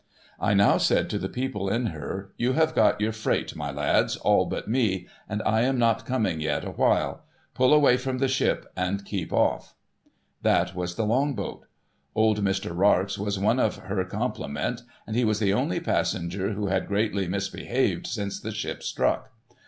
I now said to the people in her, ' You have got your freight, my lads, all but me, and I am not coming yet awhile. Pull away from the ship, and keep off!' That was the Long boat. Old Mr. Rarx was one of her com plement, and he was the only passenger who had greatly misbehaved since the ship struck.